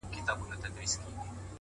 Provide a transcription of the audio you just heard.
نیک اخلاق د انسان ښکلی تصویر دی،